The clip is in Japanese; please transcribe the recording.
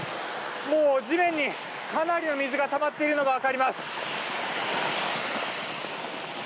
もう地面にかなりの水がたまっているのが分かります。